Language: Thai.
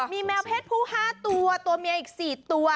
มีแมวเพศผู้๕ตัวตัวเมียอีก๔ตัว